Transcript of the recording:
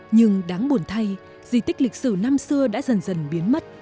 nhưng đáng buồn thay di tích lịch sử năm xưa đã dần dần biến mất